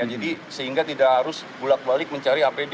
jadi sehingga tidak harus bulat balik mencari apd